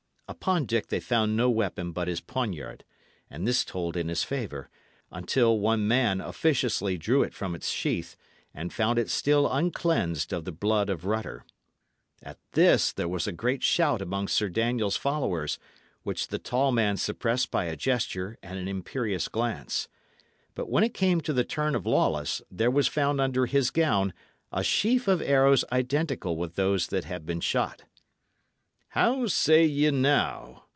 Upon Dick they found no weapon but his poniard, and this told in his favour, until one man officiously drew it from its sheath, and found it still uncleansed of the blood of Rutter. At this there was a great shout among Sir Daniel's followers, which the tall man suppressed by a gesture and an imperious glance. But when it came to the turn of Lawless, there was found under his gown a sheaf of arrows identical with those that had been shot. "How say ye now?"